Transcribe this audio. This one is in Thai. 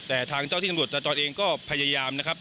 แต่ทางเจ้าที่ตำรวจจราจรเองก็พยายามนะครับ